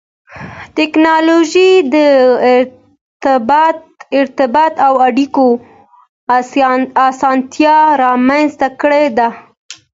ټکنالوجي د ارتباط او اړیکو اسانتیا رامنځته کړې ده.